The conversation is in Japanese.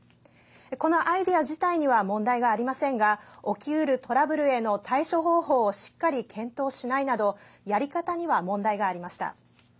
このアイデア自体には問題がありませんが起きうるトラブルへの対処方法をしっかり検討しないなどやり方には問題がありました。